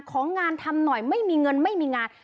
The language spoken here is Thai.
ของงานทำหน่อยไม่มีเงินไม่มีงาน